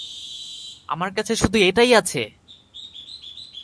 আমার কাছে শুধু এটাই আছে!